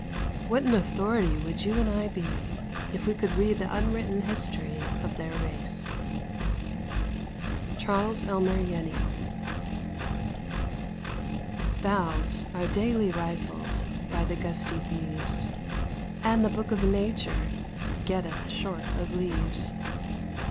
What an authority would you and I be if we could read the unwritten history of their race! Charles Elmer Jenny. Boughs are daily rifled By the gusty thieves, And the Book of Nature Getteth short of leaves.